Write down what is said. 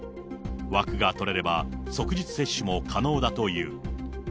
枠が取れれば、即日接種も可能だという。